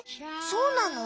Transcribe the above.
そうなの？